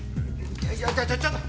ちょちょちょっと！